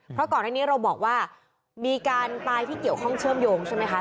เพราะก่อนอันนี้เราบอกว่ามีการตายที่เกี่ยวข้องเชื่อมโยงใช่ไหมคะ